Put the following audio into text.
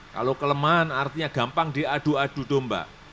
kalau kelemahan artinya gampang diadu adu domba